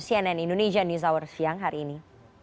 cnn indonesia news hour siang hari ini